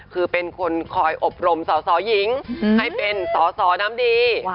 คือเป็นคนคอยอบรมสอสอหญิงให้เป็นสอสอน้ำดี